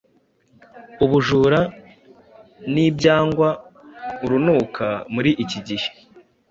ubujura nibyangwa urunuka muri iki gihe